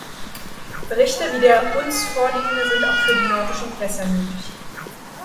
Berichte wie der uns vorliegende sind auch für die nordischen Gewässer nötig.